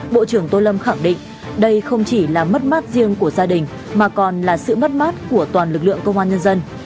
bộ trưởng tô lâm khẳng định đây không chỉ là mất mát riêng của gia đình mà còn là sự mất mát của toàn lực lượng công an nhân dân